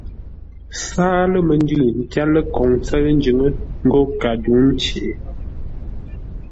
Sâa lə məndʉ tyár ləkoŋ ńtsə́ʉ njʉŋə́ ńgó kadǔŋcei.